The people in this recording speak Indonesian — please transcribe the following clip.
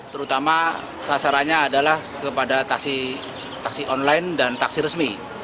terutama sasarannya adalah kepada taksi online dan taksi resmi